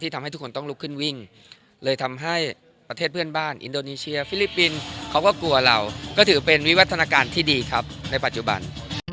ทำให้ทุกคนต้องลุกขึ้นวิ่งเลยทำให้ประเทศเพื่อนบ้านอินโดนีเชียฟิลิปปินส์เขาก็กลัวเราก็ถือเป็นวิวัฒนาการที่ดีครับในปัจจุบัน